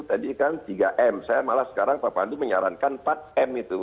tadi kan tiga m saya malah sekarang pak pandu menyarankan empat m itu